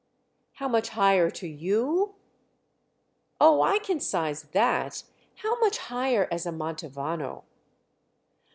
"How much higher to you?" "Oh, I can size that. How much higher as a Mantovano?"